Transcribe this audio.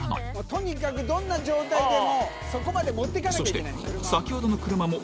とにかくどんな状態でもそこまで持ってかなきゃいけない、車を。